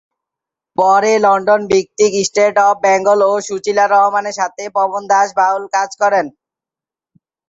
পরে লন্ডন ভিত্তিক State of Bengal ও সুশীলা রহমানের সাথেও পবন দাস বাউল কাজ করেন।